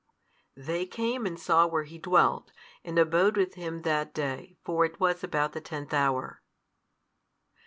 They came and saw where He dwelt, and abode with Him that day: for it was about the tenth hour.